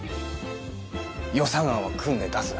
予算案は組んで出す。